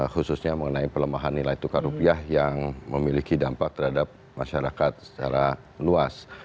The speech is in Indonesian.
khususnya mengenai pelemahan nilai tukar rupiah yang memiliki dampak terhadap masyarakat secara luas